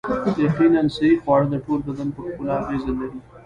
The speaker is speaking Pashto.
یقیناً صحي خواړه د ټول بدن په ښکلا اغیزه لري